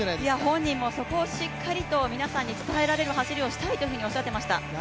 本人もそこをしっかり皆さんに伝えられる走りをしたいと言っていました。